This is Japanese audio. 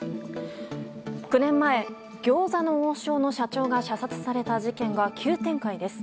９年前、餃子の王将の社長が射殺された事件が急展開です。